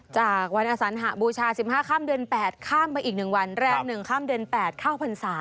จากวันอสัญหะบูชาสิบห้าค่ำเดือนแปดข้ามไปอีกหนึ่งวันแรมหนึ่งค่ำเดือนแปดข้าวพรรษา